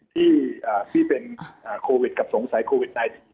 ที่เป็นโควิดไนท์